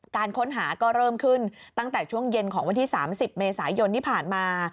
การค้นหาก็เริ่มขึ้นตั้งแต่ช่วงเย็นของวันที่๓๐เมษายนที่ผ่านมา